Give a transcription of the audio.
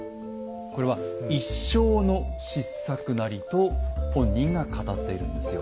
「これは一生の失策なり」と本人が語っているんですよ。